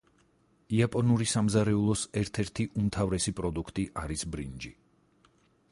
იაპონური სამზარეულოს ერთ-ერთი უმთავრესი პროდუქტი არის ბრინჯი.